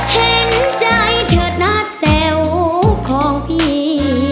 เห็นใจเถิดหน้าแต๋วของพี่